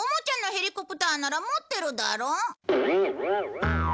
おもちゃのヘリコプターなら持ってるだろ？